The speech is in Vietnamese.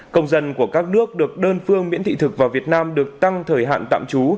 công dân của các nước được đơn phương miễn thị thực vào việt nam được tăng thời hạn tạm trú